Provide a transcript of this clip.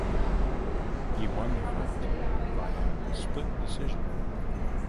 He won the fight via split decision.